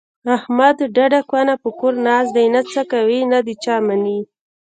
احمد ډډه کونه په کور ناست دی، نه څه کوي نه د چا مني.